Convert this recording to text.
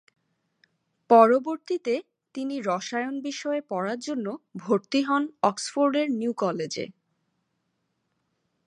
পরবর্তীতে তিমি রসায়ন বিষয়ে পড়ার জন্য ভর্তি হন অক্সফোর্ডের নিউ কলেজে।